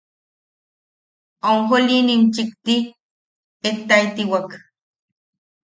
Onjolinim chikti ettaitewak.